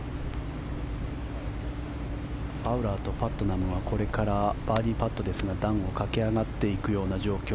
ファウラーとパットナムはこれからバーディーパットですが段を駆け上がっていくような状況。